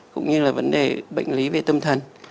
cũng như là vấn đề bệnh lý về tâm thần